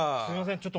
すみません